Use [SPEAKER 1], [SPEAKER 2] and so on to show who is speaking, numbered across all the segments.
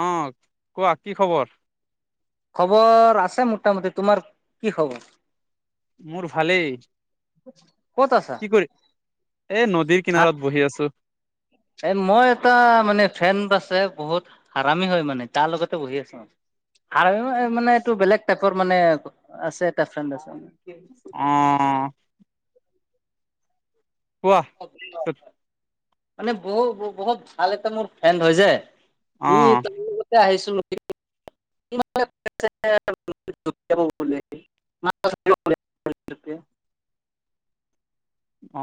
[SPEAKER 1] অ কোৱা কি খবৰ
[SPEAKER 2] খবৰ আছে মোটামুটি তোমাৰ কি খবৰ
[SPEAKER 1] মোৰ ভালেই
[SPEAKER 2] ক'ত আছা
[SPEAKER 1] কি কৰি এই নদীৰ
[SPEAKER 2] হা
[SPEAKER 1] কিনাৰত বহি আছো
[SPEAKER 2] এ মই এটা মানে ফ্ৰেন আছে বহুত হৰামি হয় মানে তাৰ লগতে বহি আছো মানে এইটো বেলেগ টাইপৰ মানে আছে এ [unintelligible] আছে
[SPEAKER 1] অ কোৱা পিছত
[SPEAKER 2] মানে বহুত বহুত ভাল এটা মোৰ ফ্ৰেণ্ড হয় যে ই
[SPEAKER 1] অ',
[SPEAKER 2] ত লগতে আহিছো নি [unintelligible]
[SPEAKER 1] অ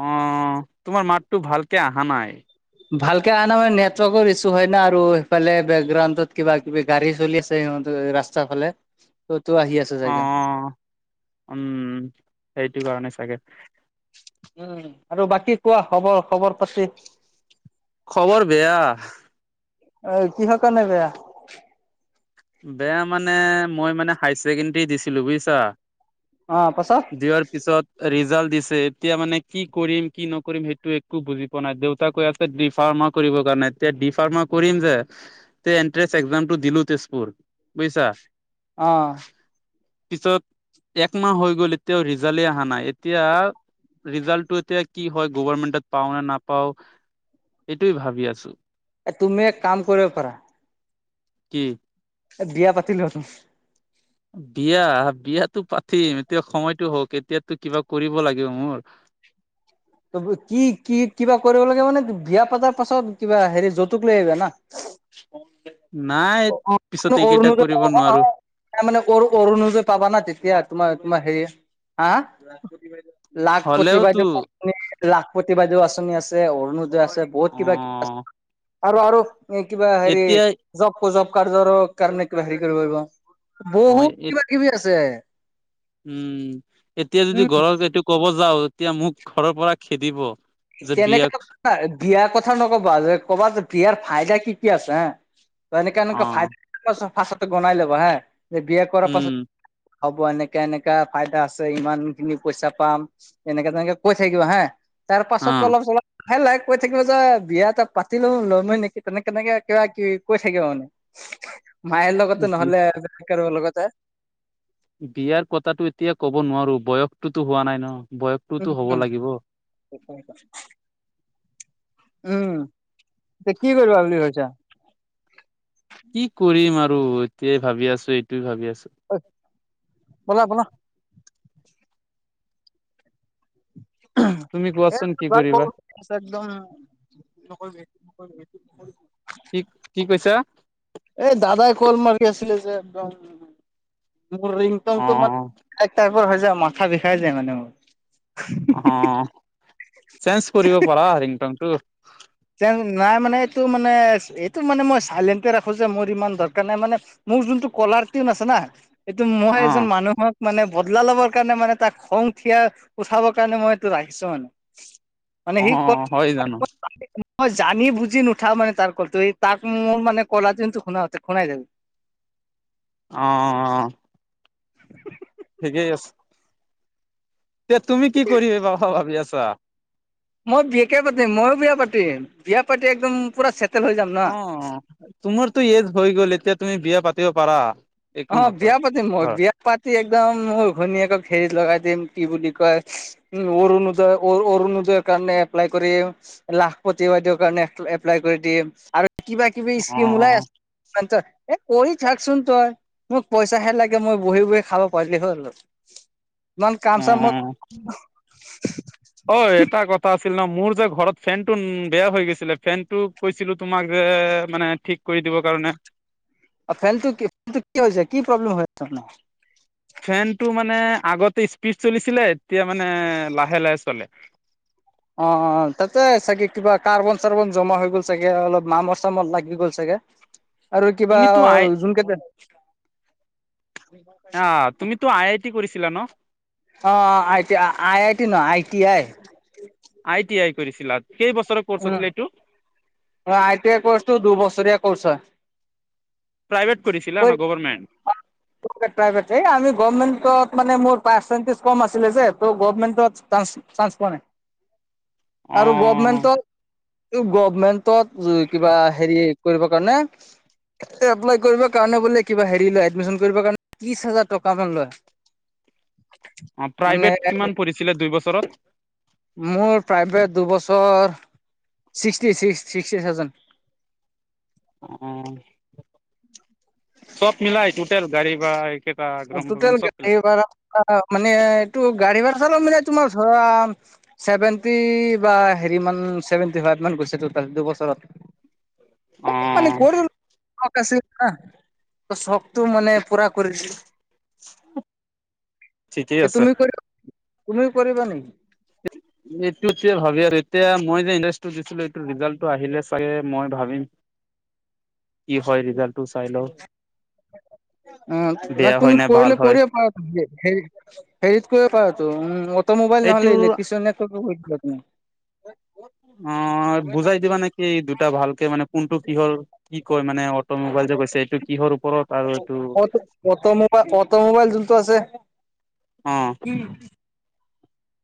[SPEAKER 1] তোমাৰ মাতটো ভালকে অহা নাই
[SPEAKER 2] ভালকে অনা মানেটৱৰ্কৰ ইছু হয় না আৰু সেইফালে বেকগ্ৰাউণ্ডত কিবা কিবি গাড়ী চলি আছে সিহঁত ৰাস্তা ফালে ত' তো আহি আছে
[SPEAKER 1] অ
[SPEAKER 2] চাগে
[SPEAKER 1] উম সেইটো কাৰণে চাগে
[SPEAKER 2] উম আৰু বাকী কোৱা খবৰ খবৰ পাতি
[SPEAKER 1] খবৰ বেয়া
[SPEAKER 2] অ কিহৰ কাৰণে বেয়া
[SPEAKER 1] বেয়া মানে মই মানে হায়াৰ ছেকেণ্ডাৰী দিছিলো বুজিছা
[SPEAKER 2] অ [unintelligible]
[SPEAKER 1] দিয়াৰ পিছত ৰিজাল্ট দিছে এতিয়া মানে কি কৰিম কি নকৰিম সেইটো একো বুজি নাই দেউতাক কৈ আছে ডি ফাৰ্মা কৰিব কাৰণে এতিয়া ডি ফাৰ্মা কৰিম যে তে এট্ৰেন্স এক্জাম টো দিলো তেজপুৰ বুজিছা
[SPEAKER 2] অ
[SPEAKER 1] পিছত একমাহ হৈ গ'ল এতিয়াও ৰিজাল্টেই অহা নাই এতিয়া ৰিজাল্টটো এতিয়া কি হয় গভাৰমেন্টত পাও নে নাপাও এইটোৱে ভাবি আছো
[SPEAKER 2] এ তুমি এক কাম কৰিব পাৰা।
[SPEAKER 1] কি?
[SPEAKER 2] এ বিয়া পাতিলোৱা তুমি।
[SPEAKER 1] বিয়া বিয়াতো পাতিম এতিয়া সময়তটো হওক এতিয়া ত কিবা কৰিব লাগিব মোৰ।
[SPEAKER 2] ত কি কি কিবা কৰিব লাগে মানে বিয়া পতাৰ পাছত কিবা হেৰি যৌতুক লৈ আহিবা না। অ।
[SPEAKER 1] নাই পিছত এইকেইটা কৰিব নোৱাৰো।
[SPEAKER 2] তাৰ মানে অৰু অৰুণোদয় পাবা না তেতিয়া তোমাৰ তোমাৰ হেৰি হা লাখপতি
[SPEAKER 1] হলেওতো
[SPEAKER 2] বাইদেউ আঁচনি লাখপতি বাইদেউ আঁচনি আছে অৰুণোদয় আচনিৰ বহুত
[SPEAKER 1] অ
[SPEAKER 2] কিবা, আৰু আৰু এ কিবা হেৰি
[SPEAKER 1] এতিয়া
[SPEAKER 2] জব জব কাৰ্ডৰ কাৰণে কিবা হেৰি কৰিব পাৰিব
[SPEAKER 1] অ
[SPEAKER 2] বহুত কিবা কিবি আছে।
[SPEAKER 1] উম, এতিয়া যদি
[SPEAKER 2] উম
[SPEAKER 1] ঘৰত এইটো ক'ব যাও তেতিয়া মোক ঘৰৰ পৰা খেদিব। যে বিয়া
[SPEAKER 2] কেনেকে নকবা বিয়াৰ কথা নকবা যে কবা যে বিয়াৰ ফাইদা কি কি আছে। ত এনেকে
[SPEAKER 1] অ
[SPEAKER 2] এনেকা ফাইদা গনাই ল'ব হা যে বি এ কৰাৰ
[SPEAKER 1] উম
[SPEAKER 2] পাছত হ'ব এনেকে এনেকা ফাইদা আছে ইমান খিনি পইচা পাম। এনেকে তেনেকে কৈ থাকিব হা তাৰ পাছত অলপ চলপ- লাহেই লাহেই কৈ থাকিব যে বিয়া এটা পাতি লওঁ লৈমই নেকি তেনেক কেনেকে কিবা কি কৈ থাকিব মানে।
[SPEAKER 1] [unintelligible]
[SPEAKER 2] মায়ে লগতে
[SPEAKER 1] অ
[SPEAKER 2] নহলে বেকাৰ বিলেগ কাৰোবাৰ লগতে।
[SPEAKER 1] বিয়াৰ কথাতটো এতিয়া কব নোৱাৰো বয়সতোতো হোৱা নাই ন বয়স
[SPEAKER 2] উম উম উম। ত কি কৰিবা বুলি ভাবিছা?
[SPEAKER 1] কি কৰিম আৰু এতিয়াই ভাবি আছো এইটোয়ে ভাবি আছো।
[SPEAKER 2] ঐ, ব'লা বলা। এ
[SPEAKER 1] তুমি
[SPEAKER 2] তাৰ
[SPEAKER 1] কোৱাচোন কি
[SPEAKER 2] ক-
[SPEAKER 1] কৰিবা?
[SPEAKER 2] একদম নকৈ বি নকৈ বি।
[SPEAKER 1] কি কি কৈছা?
[SPEAKER 2] এই দাদাই কল মাৰি আছিলে যে একদম, মোৰ
[SPEAKER 1] অ
[SPEAKER 2] ৰিংটংটো মানে- এক টাইপৰ হৈ যায় মাথা বিষাই যায় মানে মোৰ।
[SPEAKER 1] অ, চেইন্স কৰিব পাৰা ৰিংটংটো।
[SPEAKER 2] যে নাই মানে এইটো মানে এইটো মানে মই চাইলেণ্টে ৰাখোঁ যে মোৰ ইমান দৰকাৰ নাই মানে- মোৰ যোনটো কলাৰ টিন আছে না, সেইটো মই
[SPEAKER 1] অ
[SPEAKER 2] এজন মানুহক মানে বদলা লবৰ কাৰণে মানে তাক খং থিয়া উঠাবৰ কাৰণে মই এইটো ৰাখিছো মানে।
[SPEAKER 1] [unintelligible]
[SPEAKER 2] মানে সি কত
[SPEAKER 1] হয় জানো
[SPEAKER 2] ক'ত পালে? মই জানি বুজি নুঠাও মানে তাৰ কলটো এই তাক মোৰ মানে কলা যু শুনাতে খুনাই যাক-
[SPEAKER 1] অ অ।
[SPEAKER 2] [unintelligible]
[SPEAKER 1] ঠিকেই আছে। এতিয়া তুমি কি কৰিবি বাবা ভাবি আছা?
[SPEAKER 2] মই বিয়কে পাতিম ময়ো বিয়া পাতিম বিয়া পাতি একদম পুৰা হৈ যাম না।
[SPEAKER 1] অ, তোমাৰতো এজ হৈ গ'ল এতিয়া তুমি বিয়া পাতিব পাৰা। একো
[SPEAKER 2] অ
[SPEAKER 1] নকয়
[SPEAKER 2] বিয়া পাতিম মই
[SPEAKER 1] হয়
[SPEAKER 2] বিয়া পাতি একদম মোৰ ঘনীয়েকক হেৰিত লগাই দিম কি বুলি কয় উম অৰুণোদয় অৰুণোদয়ৰ কাৰণে এপ্লাই কৰিম। লাখ প্ৰতিবাইদেও কাৰণে এপ্লাই কৰি দিম আৰু কিবা কিবি
[SPEAKER 1] অ
[SPEAKER 2] স্কিম ওলাই আছ [unintelligible] এ কৰি থাকচোন তই। মোক পইচাহে লাগে মই বহি বহি খাব পাৰিলি হ'ল আও ইমান কাম চাম মই [unintelligible]
[SPEAKER 1] ঐ এটা কথা আছিল ন মোৰ যে ঘৰত ফেনটো বেয়া হৈ গিছিলে ফেনটো কৈছিলো তোমাক যে মানে ঠিক কৰি দিবৰ কাৰণে।
[SPEAKER 2] অ ফেনটো [unintelligible] কি হৈছে কি প্ৰব্লেম হৈ আছে আপোনাৰ।
[SPEAKER 1] ফেনটো মানে আগতে স্পীড চলিছিলে এতিয়া মানে লাহে লাহে চলে।
[SPEAKER 2] অ অ তাতে চাগে কিবা কাৰ্বন চাৰ্বন জমা হৈ গ'ল চাগে অলপ মামৰ চামৰ লাগি গ'ল চাগে।
[SPEAKER 1] [inaudible]
[SPEAKER 2] আৰু কিবা
[SPEAKER 1] তুমিতো আই
[SPEAKER 2] জোন কেটে
[SPEAKER 1] আহ তুমিতো আই আই টি কৰিছিলা ন?
[SPEAKER 2] অ I T I I T ন I T I.
[SPEAKER 1] I T I কৰিছিলা। কেই বছৰৰ ক'ৰ্চ আছিলে এইটো?
[SPEAKER 2] ধৰা আই টি কৌছটো দুই বছৰীয়া কৌৰ্ছ হয়।
[SPEAKER 1] প্ৰাইভেট কৰিছিলা না গভৰ্ণমেণ্ট।
[SPEAKER 2] তোক এটা বেতে আমি গমেণ্টত মানে মোৰ পাৰ্চেণ্টেজ কম আছিলে যে ত গভমেণ্টত টানছ চান্স পোৱা নাই।
[SPEAKER 1] [inaudible]
[SPEAKER 2] আৰু গভমেণ্টত ইউব গভমেন্টত কিবা হেৰি কৰিব কানে এপ্লাই কৰিব কাৰণে বোলে কিবা হেৰি লয় এডমিশ্যন কৰিব কাৰণে ত্ৰিশ হাজাৰ টকা মান লয়।
[SPEAKER 1] অ প্ৰাইভেট
[SPEAKER 2] মানে
[SPEAKER 1] কিমান পঢ়িছিলে দুই বছৰত?
[SPEAKER 2] মোৰ প্ৰাইমেট দুবছৰ ছিক্সটি ছিক্স ছিক্সটি থাউজেণ্ড।
[SPEAKER 1] অ চব মিলাই টুটেল গাড়ী বা এইকেইটা গ্ৰম
[SPEAKER 2] টুটেল
[SPEAKER 1] চব
[SPEAKER 2] গাড়ী
[SPEAKER 1] মিলাই
[SPEAKER 2] ভড়া মানে এইটো গাড়ী ভাড়া চাড়া মানে তোমাৰ ধৰা চছেভেণ্টি বা হেৰি মান চেভেণ্টি ফাইভ মান গৈছেো দুবছৰত।
[SPEAKER 1] অ
[SPEAKER 2] তাকে মানে [unintelligible] শকটো মানে পুৰা কৰি দিলোঁ।
[SPEAKER 1] [unintelligible] ঠিকেই
[SPEAKER 2] এ
[SPEAKER 1] আছে
[SPEAKER 2] তুমি [unintelligible] তুমি কৰিবা নেকি?
[SPEAKER 1] এইটোতে ভাবি আৰ এতিয়া মই যে ইণ্ডাজটো দিছিলো এইটো ৰিজাল্টটো আহিলে চাগে মই ভাবিম। কি হয় ৰিজাল্টটো চাই ল।
[SPEAKER 2] অ ন তুমি কৰিলে
[SPEAKER 1] হয়
[SPEAKER 2] কৰিব পাওঁ। [unintelligible] কৰিব পাৰ তো উম অটো মোবাইল
[SPEAKER 1] এইটো
[SPEAKER 2] নহলে ইলেক্ট্ৰিচিয়ন [unintelligible] বৰ্তমান [unintelligible]
[SPEAKER 1] অ বুজাই দিবা নেক- কি, দুটা ভালকে মানে কোনটো কিহৰ কি কয় মানে অট' মোবাইল যে কৈছে এইটো কিহৰ ওপ-
[SPEAKER 2] auto auto automobile automobile যোনটো আছে
[SPEAKER 1] অ।
[SPEAKER 2] উম।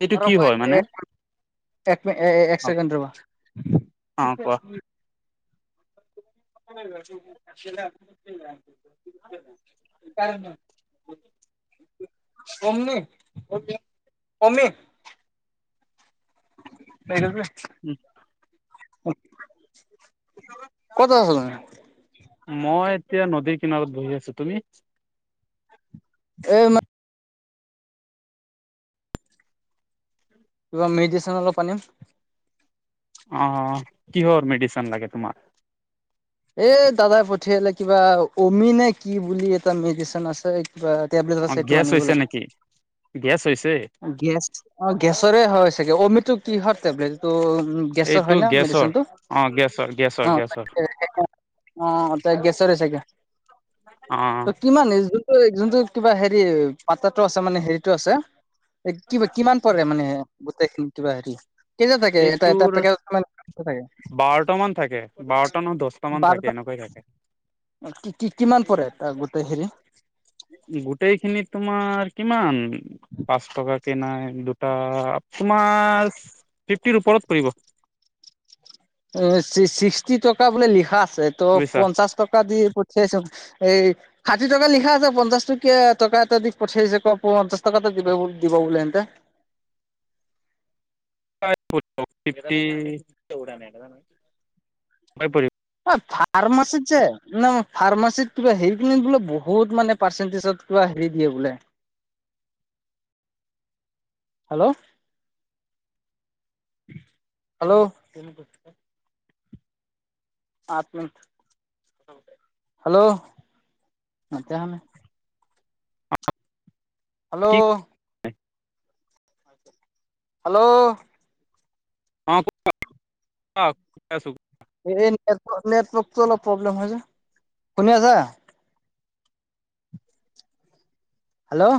[SPEAKER 1] এইটো কি হয় মানে?
[SPEAKER 2] তাকমে এ এ এক
[SPEAKER 1] অ
[SPEAKER 2] চছেকেণ্ড ৰবা [unintelligible]
[SPEAKER 1] [inaudible]
[SPEAKER 2] [unintelligible] [unintelligible] অমনি [unintelligible] কমনে নাই [unintelligible]
[SPEAKER 1] উম
[SPEAKER 2] ক'ত আছ তই?
[SPEAKER 1] মই এতিয়া নদীৰ কিনাৰত বহি আছো, তুমি?
[SPEAKER 2] এই মই কিবা মেডিচ্যন অলপ আনিম।
[SPEAKER 1] অঁ, কিহৰ মেডিচিন লাগে তোমাক?
[SPEAKER 2] এ দাদাই পঠিয়ালে কিবা অমিনে কি বুলি এটা মেডিচিন আছে। কিবা টেবলেট
[SPEAKER 1] অ
[SPEAKER 2] আছে এটো
[SPEAKER 1] গেছ
[SPEAKER 2] আনিব
[SPEAKER 1] হৈছে
[SPEAKER 2] লাগে।
[SPEAKER 1] নেকি গেছ হৈছে
[SPEAKER 2] গেছ অঁ গেছৰে হয় চাগে, অমিটো কিহৰ টেবলেট এটো উ গছৰ
[SPEAKER 1] এইটো
[SPEAKER 2] হয় ন
[SPEAKER 1] গেছৰ
[SPEAKER 2] মেডিচনটো
[SPEAKER 1] অ গেছৰ গেছৰ
[SPEAKER 2] অঁ
[SPEAKER 1] গেছৰ
[SPEAKER 2] [unintelligible] অঁ, তাৰ গেছৰ চাগে। ত
[SPEAKER 1] অঁ,
[SPEAKER 2] কিমান এই যোনটো যোনটো কিবা হেৰি পাত্ৰটো আছে মানে হেৰিতটো আছে এই কিবা কিমান পৰে মানে গোটেইখিনি কিবা হেৰি? কেইটা থাকে এটা এটা পেকেট থাকে?
[SPEAKER 1] বাৰট মান থাকে। বাৰটা নহয় দহটা মান
[SPEAKER 2] বাৰটা
[SPEAKER 1] থাকে, এনেকাই থাকে।
[SPEAKER 2] কি কি কিমান পৰে, তাত গোটেই খিনি?
[SPEAKER 1] গোটেইখিনিত তোমাৰ কিমান, পাঁচ টকাক নাই দু তাৰ তোমাৰ ফিফটিৰ ওপৰত পৰিব।
[SPEAKER 2] উ ছি চিক্সটি টকা বোলে লিখা আছে, ত'
[SPEAKER 1] বুজিছা
[SPEAKER 2] পঞ্চাশ টকা দি পঠিয়াইছো এই ষাঠি টকা লিখা আছে, পঞ্চাশ টকীয়া টকা এটা দি পঠিয়াইছে ক প পঞ্চাচ টকা এটা দিব দিব বোলেহেঁতে
[SPEAKER 1] [unintelligible] ফিফটি ফাইভ পৰিব।
[SPEAKER 2] অ', ফাৰ্মাচীত যে ন ফাৰ্মাচীত কিবা হেৰি খিনিত বোলে বহুত মানে পাৰ্চেন্টেজত কিবা হেৰি দিয়ে বোলে। হেল্ল', হেল্লও পাঁচ মিনট হেল্ল'ও মাতে অহা নাই। হেল্ল'ও
[SPEAKER 1] নাই [inaudible]
[SPEAKER 2] হেল্ল'ও
[SPEAKER 1] অঁ ক [unintelligible] আছো
[SPEAKER 2] এই নেটৱ নেটৱৰ্কতটো অলপ প্ৰব্লেম হয় যে। শুনি আছা? হেল্ল'ও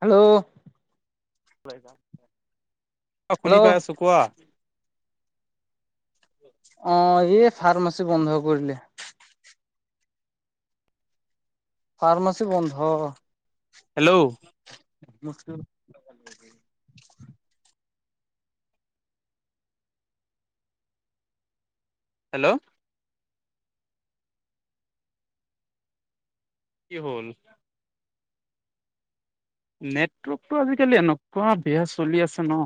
[SPEAKER 2] হেল্ল'ও
[SPEAKER 1] অ', শুনি
[SPEAKER 2] হেল্ল'
[SPEAKER 1] পাই আছো কোৱা।
[SPEAKER 2] অঁ', এই ফাৰ্মাচী বন্ধ কৰি দিলে। ফাৰ্মাচী বন্ধ।
[SPEAKER 1] হেল্ল'ও-
[SPEAKER 2] মোক চো [unintelligible]
[SPEAKER 1] হেল্ল'ও- কি হ'ল? নেটৱৰ্কতটো আজিকালি এনকুৱা বেয়া চলি আছে ন।